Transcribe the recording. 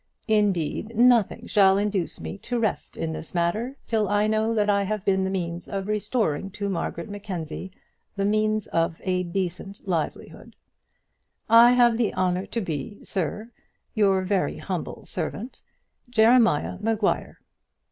Indeed nothing shall induce me to rest in this matter till I know that I have been the means of restoring to Margaret Mackenzie the means of decent livelihood. I have the honour to be, Sir, Your very humble servant, JEREMIAH MAGUIRE.